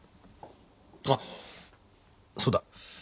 あっそうだ。